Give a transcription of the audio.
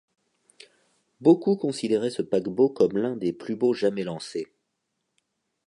Beaucoup considéraient ce paquebot comme l’un des plus beaux jamais lancés.